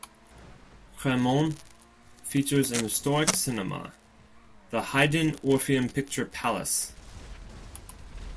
Cremorne features an historic cinema, the Hayden Orpheum Picture Palace.